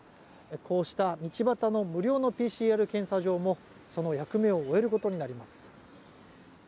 こうした道端の無料のＰＣＲ検査場もその役目を終えることになります。